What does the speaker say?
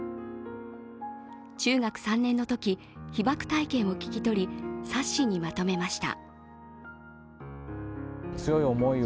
中学３年のとき被爆体験を聞き取り冊子にまとめました。